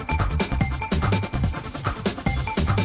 ก็อย่ากลวกกับมีเหตุการณ์